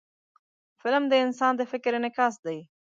فلم د انسان د فکر انعکاس دی